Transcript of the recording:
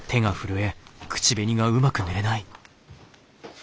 え。